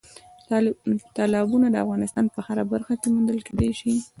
تالابونه د افغانستان په هره برخه کې موندل کېدای شي.